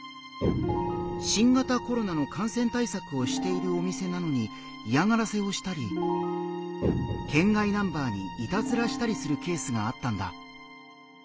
新型コロナの感染対策をしているお店なのに嫌がらせをしたり県外ナンバーにいたずらしたりするケースがあったんだ。